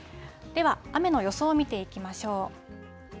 では、雨の予想を見ていきましょう。